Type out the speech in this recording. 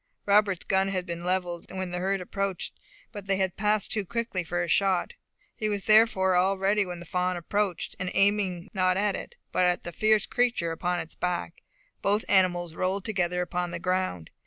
Robert's gun had been levelled, when the herd appeared, but they passed too quickly for a shot; he was therefore all ready when the fawn approached, and aiming not at it, but at the fierce creature upon its back, both animals rolled together upon the ground.